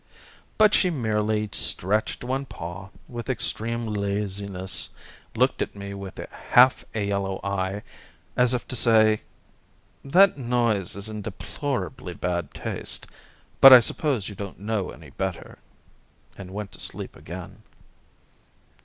But she merely stretched one paw with extreme laziness, looked at me with half a yellow eye, as if to say :" That noise is in deplorably bad taste, but I suppose you don't know any better," and went to sleep again.